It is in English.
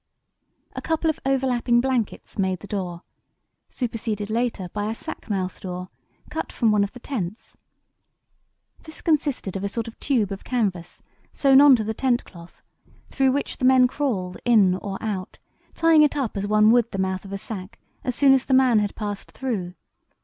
A couple of overlapping blankets made the door, superseded later by a sack mouth door cut from one of the tents. This consisted of a sort of tube of canvas sewn on to the tent cloth, through which the men crawled in or out, tying it up as one would the mouth of a sack as soon as the man had passed through.